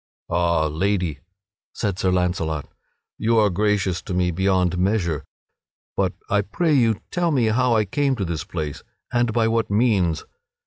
"Ha, Lady," said Sir Launcelot, "you are gracious to me beyond measure! But I pray you tell me how I came to this place and by what means?